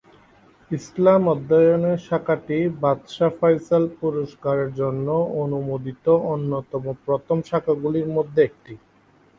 ইসলাম অধ্যয়নে শাখাটি বাদশাহ ফয়সাল পুরস্কারের জন্য অনুমোদিত অন্যতম প্রথম শাখাগুলির মধ্যে একটি।